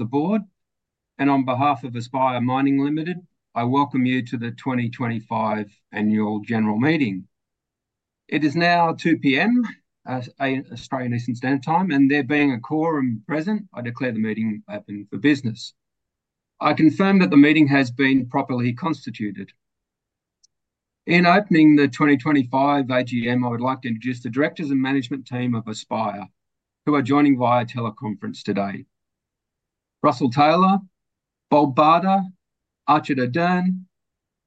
Chairman of the Board, and on behalf of Aspire Mining Ltd, I welcome you to the 2025 Annual General Meeting. It is now 2:00 P.M. Australian Eastern Standard Time, and there being a quorum present, I declare the meeting open for business. I confirm that the meeting has been properly constituted. In opening the 2025 AGM, I would like to introduce the Directors and Management Team of Aspire, who are joining via teleconference today: Russell Taylor, Bob Barda, Archer Dern,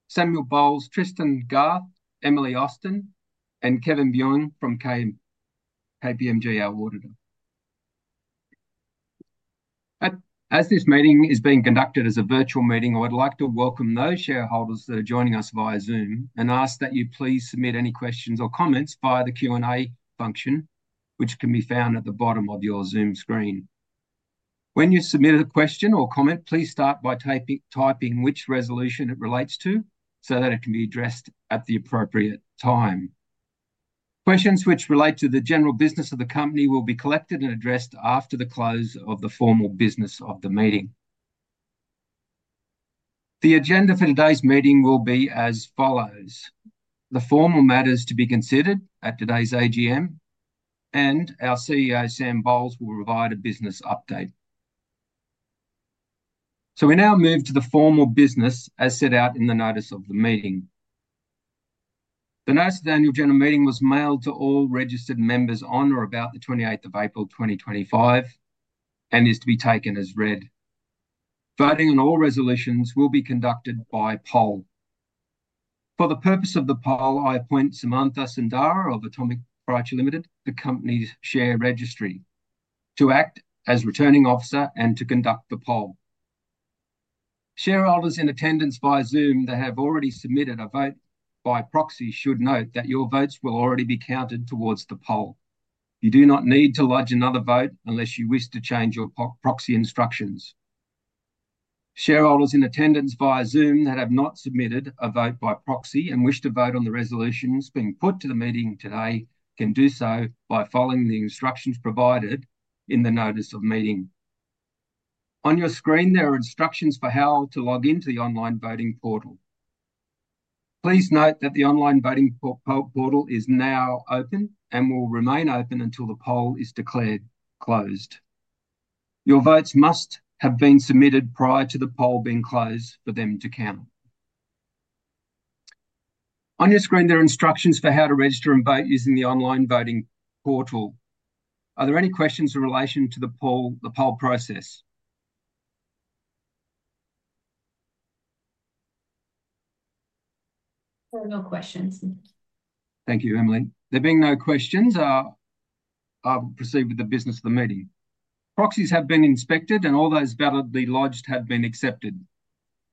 Samuel Bowles, Tristan Garth, Emily Austin, and Kevin Bjorn from KPMG, our auditor. As this meeting is being conducted as a virtual meeting, I would like to welcome those shareholders that are joining us via Zoom and ask that you please submit any questions or comments via the Q&A function, which can be found at the bottom of your Zoom screen. When you submit a question or comment, please start by typing which resolution it relates to so that it can be addressed at the appropriate time. Questions which relate to the general business of the company will be collected and addressed after the close of the formal business of the meeting. The agenda for today's meeting will be as follows: the formal matters to be considered at today's AGM, and our CEO, Sam Bowles, will provide a business update. We now move to the formal business as set out in the notice of the meeting. The notice of the Annual General Meeting was mailed to all registered members on or about the 28th of April 2025 and is to be taken as read. Voting on all resolutions will be conducted by poll. For the purpose of the poll, I appoint Samantha Sundara of Atomic Pride Ltd, the Company's Share Registry, to act as returning officer and to conduct the poll. Shareholders in attendance via Zoom that have already submitted a vote by proxy should note that your votes will already be counted towards the poll. You do not need to lodge another vote unless you wish to change your proxy instructions. Shareholders in attendance via Zoom that have not submitted a vote by proxy and wish to vote on the resolutions being put to the meeting today can do so by following the instructions provided in the notice of meeting. On your screen, there are instructions for how to log into the online voting portal. Please note that the online voting portal is now open and will remain open until the poll is declared closed. Your votes must have been submitted prior to the poll being closed for them to count. On your screen, there are instructions for how to register and vote using the online voting portal. Are there any questions in relation to the poll process? There are no questions. Thank you, Emily. There being no questions, I'll proceed with the business of the meeting. Proxies have been inspected, and all those validly lodged have been accepted.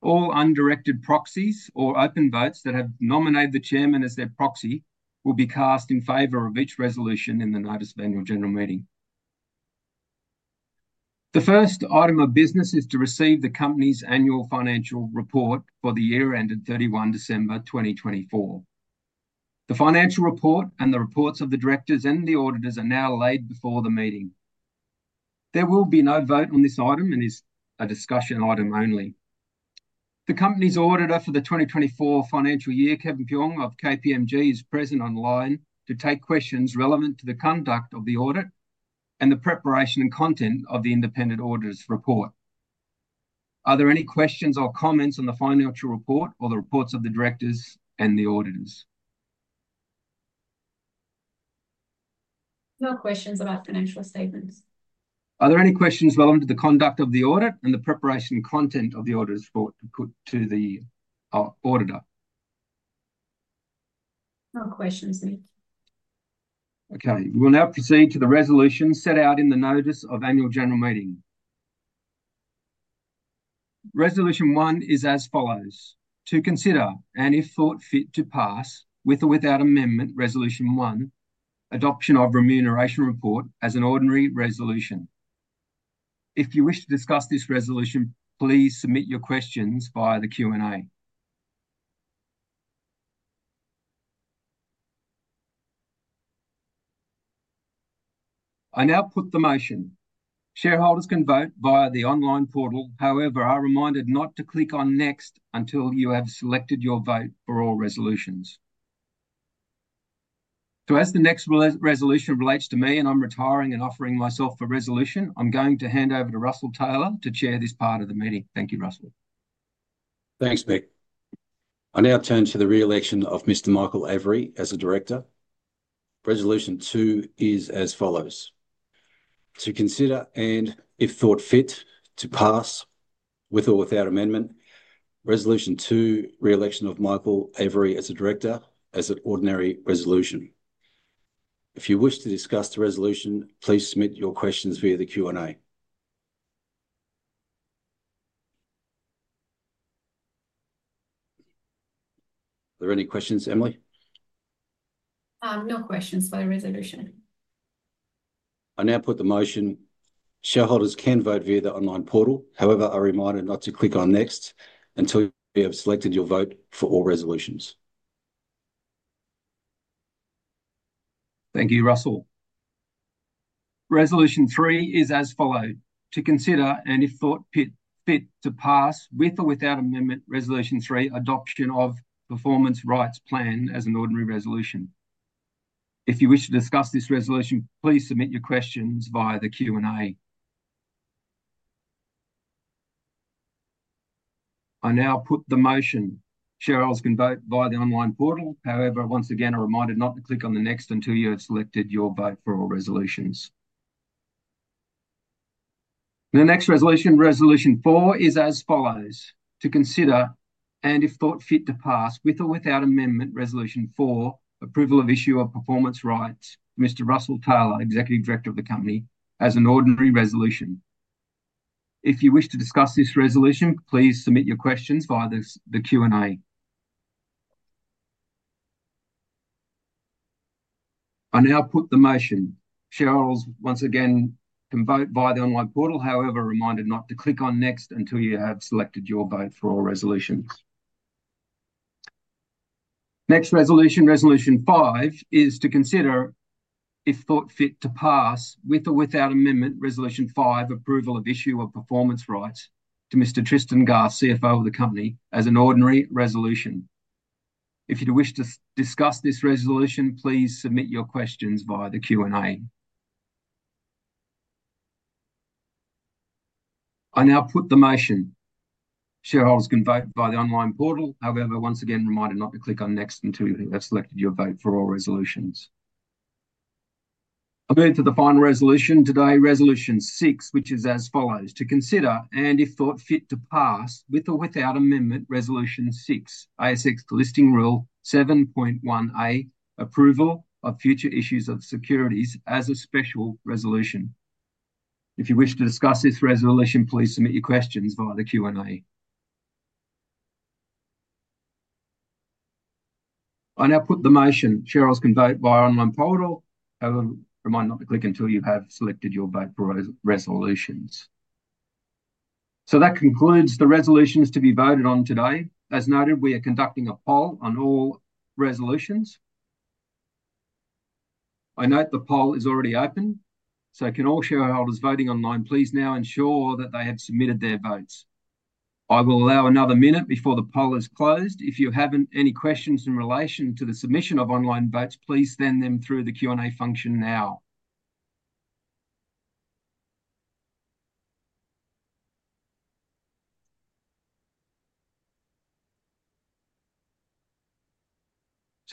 All undirected proxies or open votes that have nominated the Chairman as their proxy will be cast in favor of each resolution in the notice of the Annual General Meeting. The first item of business is to receive the Company's Annual Financial Report for the year ended 31 December 2024. The financial report and the reports of the Directors and the Auditors are now laid before the meeting. There will be no vote on this item and is a discussion item only. The Company's Auditor for the 2024 financial year, Kevin Bjorn of KPMG, is present online to take questions relevant to the conduct of the audit and the preparation and content of the independent auditor's report. Are there any questions or comments on the financial report or the reports of the Directors and the Auditors? No questions about financial statements. Are there any questions relevant to the conduct of the audit and the preparation and content of the auditor's report to the Auditor? No questions. Okay. We will now proceed to the resolutions set out in the notice of the Annual General Meeting. Resolution One is as follows: to consider and, if thought fit to pass, with or without amendment, Resolution One, adoption of remuneration report as an ordinary resolution. If you wish to discuss this resolution, please submit your questions via the Q&A. I now put the motion. Shareholders can vote via the online portal. However, I remind you not to click on Next until you have selected your vote for all resolutions. As the next resolution relates to me, and I am retiring and offering myself for resolution, I am going to hand over to Russell Taylor to chair this part of the meeting. Thank you, Russell. Thanks, Mick. I now turn to the re-election of Mr. Michael Avery as a Director. Resolution Two is as follows: to consider and, if thought fit, to pass with or without amendment, Resolution Two, re-election of Michael Avery as a Director, as an ordinary resolution. If you wish to discuss the resolution, please submit your questions via the Q&A. Are there any questions, Emily? No questions for the resolution. I now put the motion. Shareholders can vote via the online portal. However, I remind you not to click on Next until you have selected your vote for all resolutions. Thank you, Russell. Resolution Three is as follows: to consider and, if thought fit to pass with or without amendment, Resolution Three, adoption of performance rights plan as an ordinary resolution. If you wish to discuss this resolution, please submit your questions via the Q&A. I now put the motion. Shareholders can vote via the online portal. However, once again, I remind you not to click on Next until you have selected your vote for all resolutions. The next resolution, Resolution Four, is as follows: to consider and, if thought fit to pass with or without amendment, Resolution Four, approval of issue of performance rights to Mr. Russell Taylor, Executive Director of the Company, as an ordinary resolution. If you wish to discuss this resolution, please submit your questions via the Q&A. I now put the motion. Shareholders, once again, can vote via the online portal. However, reminded not to click on Next until you have selected your vote for all resolutions. Next resolution, Resolution Five, is to consider, if thought fit to pass with or without amendment, Resolution Five, approval of issue of performance rights to Mr. Tristan Garth, CFO of the Company, as an ordinary resolution. If you wish to discuss this resolution, please submit your questions via the Q&A. I now put the motion. Shareholders can vote via the online portal. However, once again, reminded not to click on Next until you have selected your vote for all resolutions. I'm moving to the final resolution today, Resolution Six, which is as follows: to consider and, if thought fit to pass with or without amendment, Resolution Six, ASX Listing Rule 7.1A, approval of future issues of securities as a special resolution. If you wish to discuss this resolution, please submit your questions via the Q&A. I now put the motion. Shareholders can vote via the online portal. However, remind not to click until you have selected your vote for resolutions. That concludes the resolutions to be voted on today. As noted, we are conducting a poll on all resolutions. I note the poll is already open, so can all shareholders voting online please now ensure that they have submitted their votes. I will allow another minute before the poll is closed. If you have any questions in relation to the submission of online votes, please send them through the Q&A function now.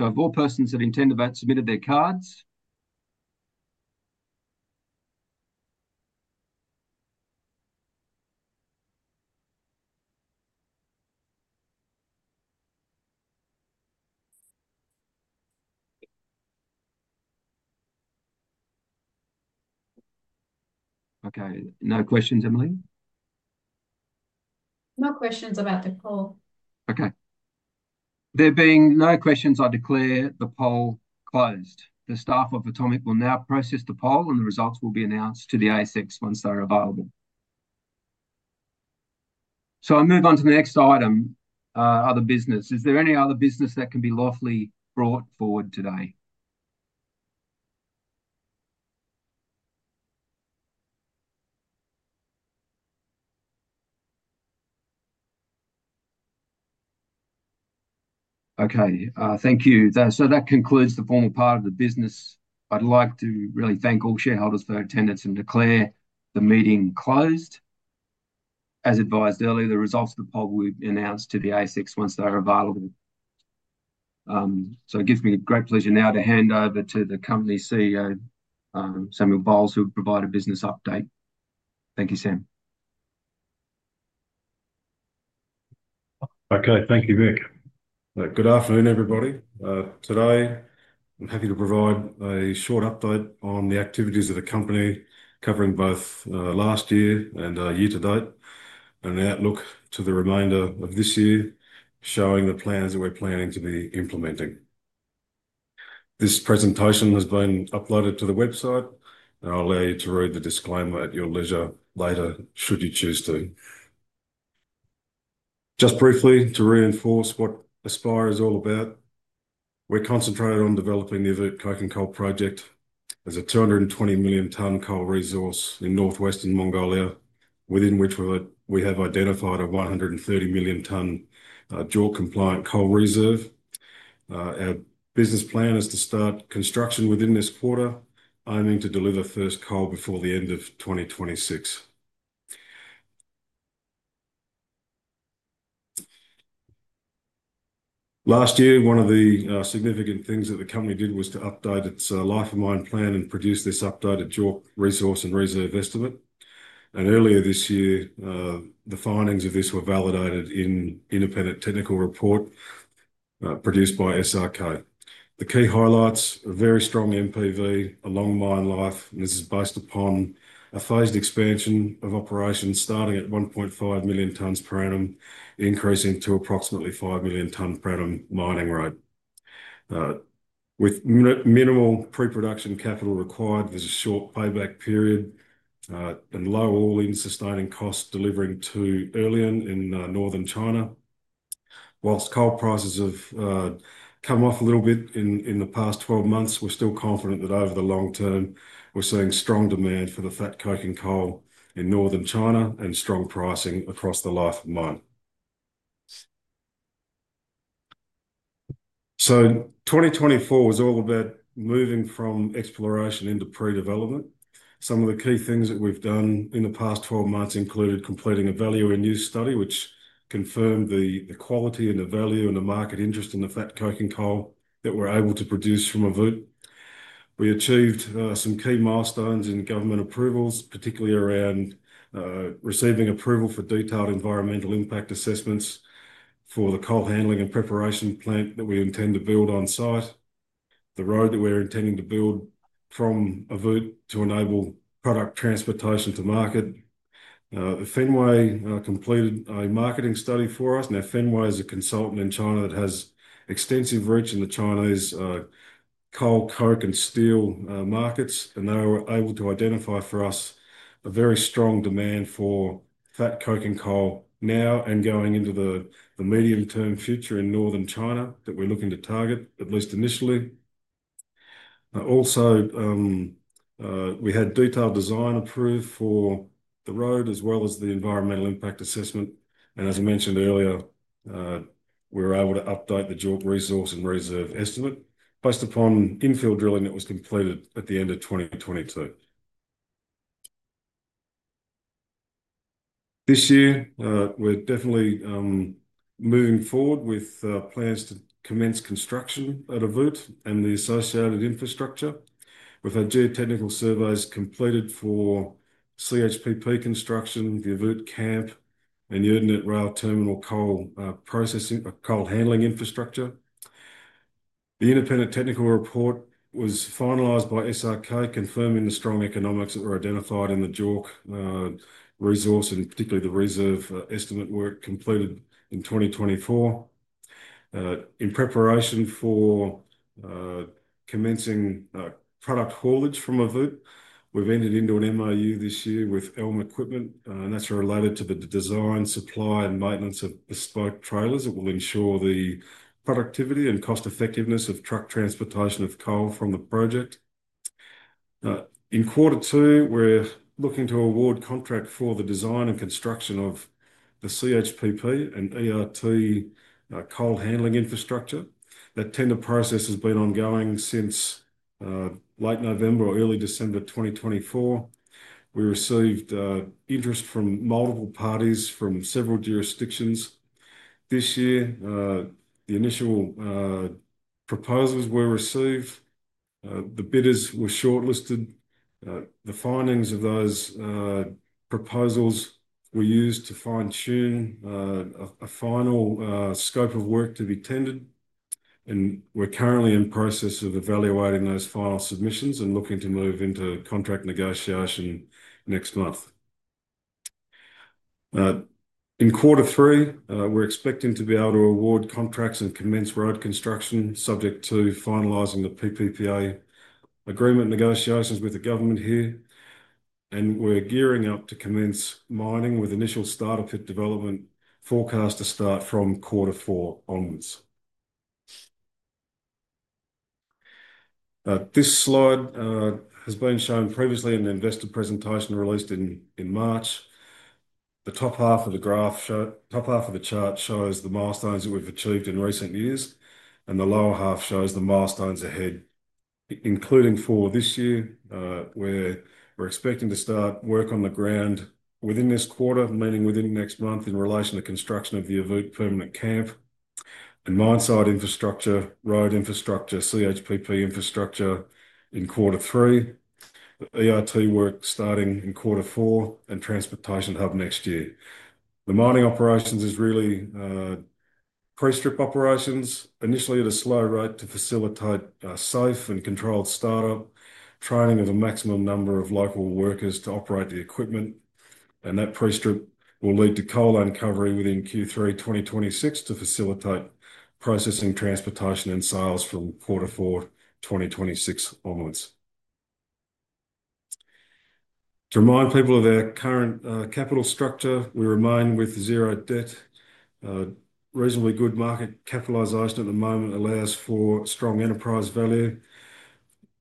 Have all persons of intent about submitted their cards? Okay. No questions, Emily? No questions about the poll. Okay. There being no questions, I declare the poll closed. The staff of Atomic Pride will now process the poll, and the results will be announced to the ASX once they're available. I move on to the next item, other business. Is there any other business that can be lawfully brought forward today? Okay. Thank you. That concludes the formal part of the business. I'd like to really thank all shareholders for attendance and declare the meeting closed. As advised earlier, the results of the poll will be announced to the ASX once they're available. It gives me great pleasure now to hand over to the Company's CEO, Samuel Bowles, who will provide a business update. Thank you, Sam. Okay. Thank you, Mic. Good afternoon, everybody. Today, I'm happy to provide a short update on the activities of the Company, covering both last year and year to date, and an outlook to the remainder of this year, showing the plans that we're planning to be implementing. This presentation has been uploaded to the website, and I'll allow you to read the disclaimer at your leisure later, should you choose to. Just briefly, to reinforce what Aspire is all about, we're concentrated on developing the Ovoot Coking Coal Project as a 220 million ton coal resource in northwestern Mongolia, within which we have identified a 130 million ton JORC compliant coal reserve. Our business plan is to start construction within this quarter, aiming to deliver first coal before the end of 2026. Last year, one of the significant things that the Company did was to update its life and mine plan and produce this updated JORC resource and reserve estimate. Earlier this year, the findings of this were validated in an independent technical report produced by SRK. The key highlights are very strong NPV, a long mine life, and this is based upon a phased expansion of operations starting at 1.5 million ton per annum, increasing to approximately 5 million ton per annum mining rate. With minimal pre-production capital required, there is a short payback period and low all-in sustaining costs delivering to early in northern China. Whilst coal prices have come off a little bit in the past 12 months, we're still confident that over the long term, we're seeing strong demand for the fat coking coal in Northern China and strong pricing across the life of mine. 2024 was all about moving from exploration into pre-development. Some of the key things that we've done in the past 12 months included completing a value and use study, which confirmed the quality and the value and the market interest in the fat coking coal that we're able to produce from Ovoot. We achieved some key milestones in government approvals, particularly around receiving approval for detailed environmental impact assessments for the coal handling and preparation plant that we intend to build on site, the road that we're intending to build from Ovoot to enable product transportation to market. Fenway completed a marketing study for us. Now, Fenway is a consultant in China that has extensive reach in the Chinese coal, coke, and steel markets, and they were able to identify for us a very strong demand for fat coking coal now and going into the medium-term future in northern China that we're looking to target, at least initially. Also, we had detailed design approved for the road as well as the Environmental Impact Assessment. As I mentioned earlier, we were able to update the JORC resource and reserve estimate based upon infill drilling that was completed at the end of 2022. This year, we're definitely moving forward with plans to commence construction at Ovoot and the associated infrastructure with our geotechnical surveys completed for CHPP construction, the Ovoot camp, and the Erdenet Rail Terminal coal processing or coal handling infrastructure. The independent technical report was finalized by SRK, confirming the strong economics that were identified in the JORC resource and particularly the reserve estimate work completed in 2024. In preparation for commencing product haulage from Ovoot, we've entered into an MOU this year with Elm Equipment, and that's related to the design, supply, and maintenance of bespoke trailers that will ensure the productivity and cost-effectiveness of truck transportation of coal from the project. In quarter two, we're looking to award contract for the design and construction of the CHPP and Erdenet coal handling infrastructure. That tender process has been ongoing since late November or early December 2024. We received interest from multiple parties from several jurisdictions this year. The initial proposals were received. The bidders were shortlisted. The findings of those proposals were used to fine-tune a final scope of work to be tendered. We are currently in process of evaluating those final submissions and looking to move into contract negotiation next month. In quarter three, we are expecting to be able to award contracts and commence road construction, subject to finalizing the PPPA agreement negotiations with the government here. We are gearing up to commence mining with initial startup development forecast to start from quarter four onwards. This slide has been shown previously in the investor presentation released in March. The top half of the graph, top half of the chart shows the milestones that we've achieved in recent years, and the lower half shows the milestones ahead, including for this year, where we're expecting to start work on the ground within this quarter, meaning within next month in relation to construction of the Ovoot permanent camp and mine site infrastructure, road infrastructure, CHPP infrastructure in Q3, ERT work starting in Q4, and transportation hub next year. The mining operations is really pre-strip operations. Initially, at a slow rate to facilitate safe and controlled startup, training of a maximum number of local workers to operate the equipment. That pre-strip will lead to coal uncovery within Q3 2026 to facilitate processing, transportation, and sales from Q4 2026 onwards. To remind people of our current capital structure, we remain with zero debt. Reasonably good market capitalisation at the moment allows for strong enterprise value.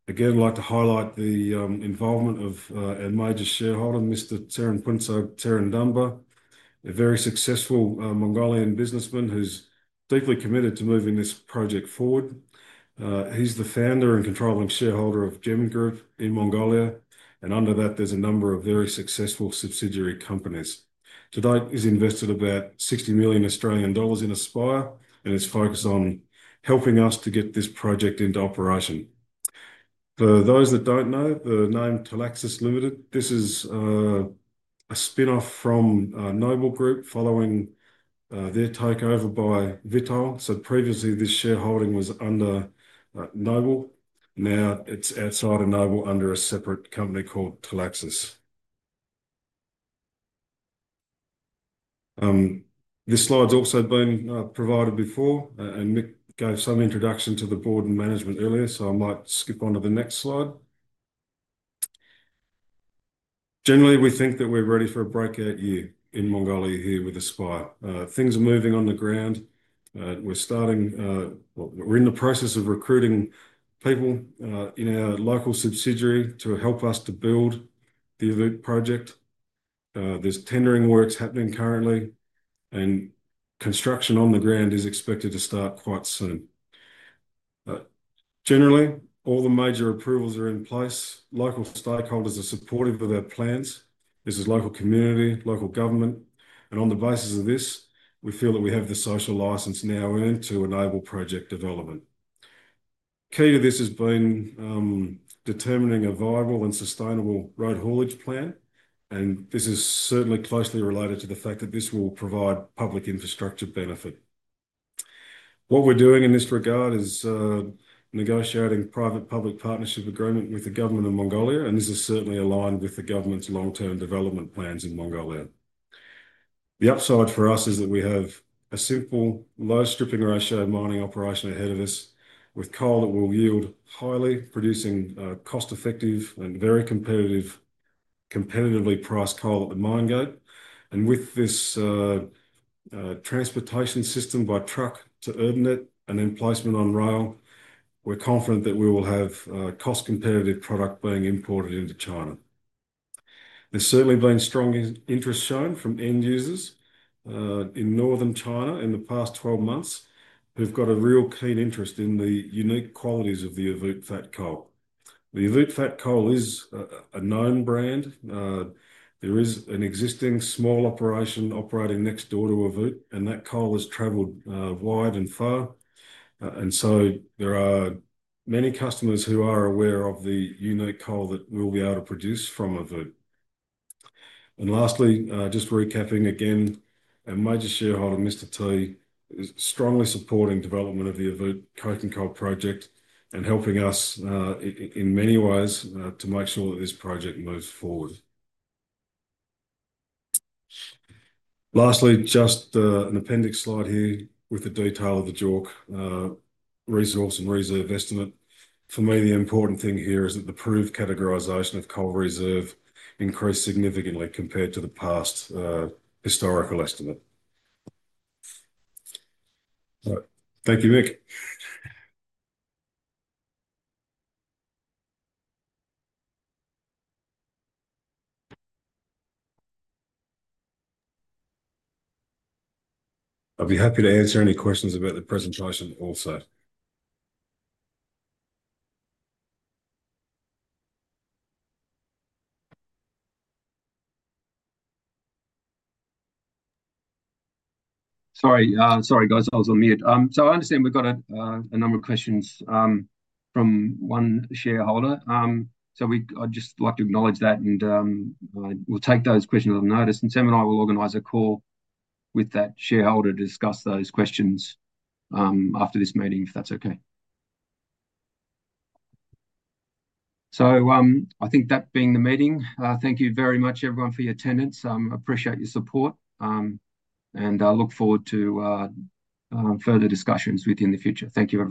Again, I'd like to highlight the involvement of our major shareholder, Mr. Terran Dumba, a very successful Mongolian businessman who's deeply committed to moving this project forward. He's the founder and controlling shareholder of Gem Group in Mongolia. Under that, there's a number of very successful subsidiary companies. Today, he's invested about 60 million Australian dollars in Aspire and is focused on helping us to get this project into operation. For those that don't know, the name Talaxis Limited, this is a spinoff from Noble Group following their takeover by Vital. Previously, this shareholding was under Noble. Now, it's outside of Noble under a separate company called Talaxis. This slide's also been provided before, and Mic gave some introduction to the board and management earlier, so I might skip on to the next slide. Generally, we think that we're ready for a breakout year in Mongolia here with Aspire. Things are moving on the ground. We're starting, we're in the process of recruiting people in our local subsidiary to help us to build the Ovoot project. There's tendering works happening currently, and construction on the ground is expected to start quite soon. Generally, all the major approvals are in place. Local stakeholders are supportive of our plans. This is local community, local government. On the basis of this, we feel that we have the social licence now earned to enable project development. Key to this has been determining a viable and sustainable road haulage plan. This is certainly closely related to the fact that this will provide public infrastructure benefit. What we're doing in this regard is negotiating a Public-Private Partnership Agreement with the government of Mongolia, and this is certainly aligned with the government's long-term development plans in Mongolia. The upside for us is that we have a simple, low stripping ratio mining operation ahead of us with coal that will yield highly, producing cost-effective and very competitively priced coal at the mine gate. With this transportation system by truck to Erdenet and then placement on rail, we're confident that we will have a cost-competitive product being imported into China. There has certainly been strong interest shown from end users in northern China in the past 12 months who have got a real keen interest in the unique qualities of the Ovoot fat coking coal. The Ovoot fat coking coal is a known brand. There is an existing small operation operating next door to Ovoot, and that coal has traveled wide and far. There are many customers who are aware of the unique coal that we'll be able to produce from Ovoot. Lastly, just recapping again, our major shareholder, Mr. Dumba, is strongly supporting development of the Ovoot coking coal project and helping us in many ways to make sure that this project moves forward. Lastly, just an appendix slide here with the detail of the JORC resource and reserve estimate. For me, the important thing here is that the proved categorization of coal reserve increased significantly compared to the past historical estimate. Thank you, Mic. I'll be happy to answer any questions about the presentation also. Sorry, sorry, guys. I was on mute. I understand we've got a number of questions from one shareholder. I'd just like to acknowledge that, and we'll take those questions on notice. Sam and I will organise a call with that shareholder to discuss those questions after this meeting, if that's okay. I think that being the meeting, thank you very much, everyone, for your attendance. I appreciate your support, and I look forward to further discussions with you in the future. Thank you very much.